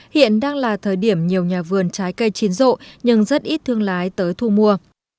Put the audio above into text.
hiện đang là thời điểm nhiều nhà vườn trái cây chín rộ nhưng rất ít thương lái tới thu mua